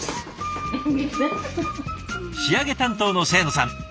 仕上げ担当の清野さん。